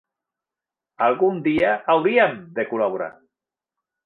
Algun dia hauríem de col·laborar.